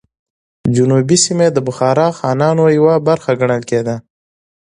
جنوبي سیمه یې د بخارا خانانو یوه برخه ګڼل کېده.